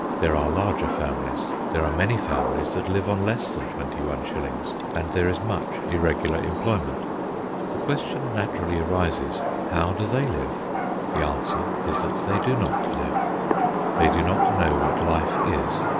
There are larger families, there are many families that live on less than twenty one shillings, and there is much irregular employment. The question naturally arises, How do they live? The answer is that they do not live. They do not know what life is.